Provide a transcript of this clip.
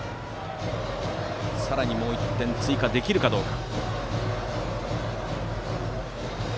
さらにもう１点追加できるかどうか。